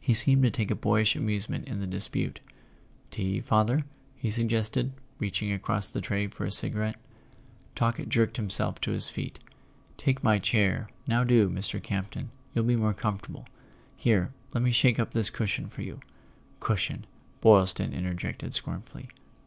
He seemed to take a boy¬ ish amusement in the dispute. "Tea, father?" he sug¬ gested, reaching across the tray for a cigarette. Talkett jerked himself to his feet. "Take my chair, now do, Mr. Campton. You'll be more comfortable. Here, let me shake up this cushion for you " ("Cushion!" Boylston interjected scornfully.)